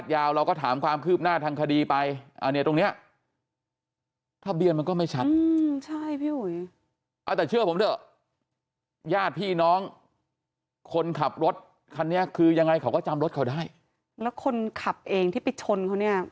แล้วคนขับเองที่ไปชนเขาเนี่ย